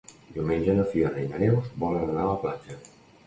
Diumenge na Fiona i na Neus volen anar a la platja.